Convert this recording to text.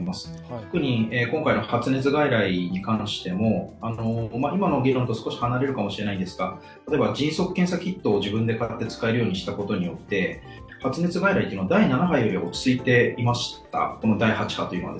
特に今回の発熱外来に関しても、今の議論と少し離れるかもしれないんですが、例えば迅速検査キットを使えるようにして発熱外来は第７波より落ち着いていました、この第８波というのは。